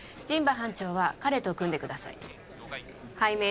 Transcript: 陣馬班長は彼と組んでください